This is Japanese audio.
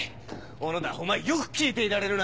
小野田お前よく聴いていられるな！